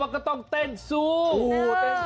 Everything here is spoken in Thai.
ก็ต้องเต้นสู้